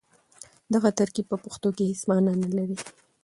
دغه ترکيب په پښتو کې هېڅ مانا نه لري.